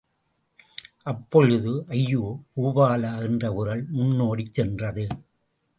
அப்பொழுது– ஐயோ, பூபாலா! என்ற குரல் முன்னோடிச் சென்றது.